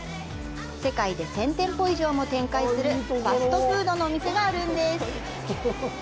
世界で１０００店舗以上も展開するファストフードのお店があるんです。